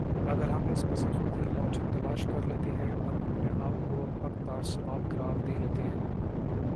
مگر ہم اس میں سے خود ہی لاجک تلاش کرلیتےہیں اور اپنے آپ کو حقدار ثواب قرار دے لیتےہیں